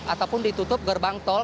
ataupun ditutup gerbang tol